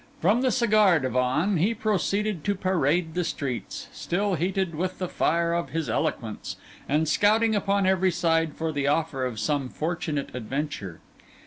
From the cigar divan he proceeded to parade the streets, still heated with the fire of his eloquence, and scouting upon every side for the offer of some fortunate adventure.